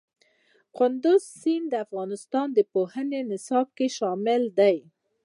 کندز سیند د افغانستان د پوهنې نصاب کې شامل دي.